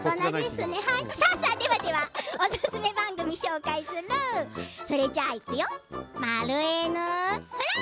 おすすめ番組を紹介するそれじゃあ、いくよー！